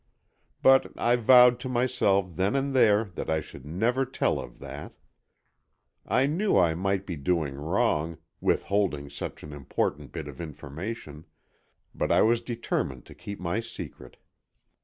But I vowed to myself then and there that I should never tell of that. I knew I might be doing wrong, withholding such an important bit of information, but I was determined to keep my secret.